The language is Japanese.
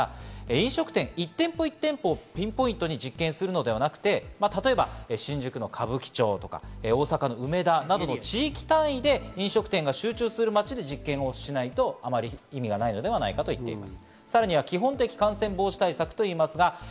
飲食店を一店舗一店舗、ピンポイントに実験するのではなく、例えば新宿の歌舞伎町とか、大阪の梅田などの地域単位で飲食店が集中する街で実験をしないと意味がないのではないかとおっしゃっています。